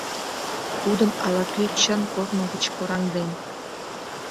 — Тудым ала-кӧ чын корно гыч кораҥден...